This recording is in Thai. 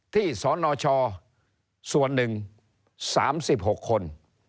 ที่สอนอช่อส่วนหนึ่ง๓๖คน